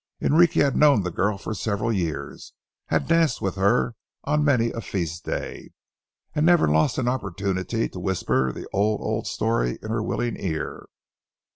Enrique had known the girl for several years, had danced with her on many a feast day, and never lost an opportunity to whisper the old, old story in her willing ear.